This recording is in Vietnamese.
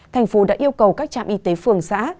thành phố đã yêu cầu các trạm y tế phường xã